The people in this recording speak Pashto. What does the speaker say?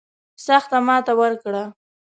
سخته ماته ورکړه.